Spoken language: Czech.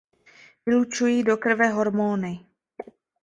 Vylučují do krve hormony.